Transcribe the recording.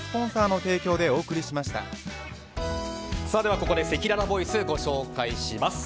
ここでせきららボイスご紹介します。